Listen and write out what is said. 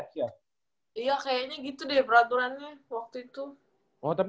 iya kayaknya gitu deh peraturannya waktu itu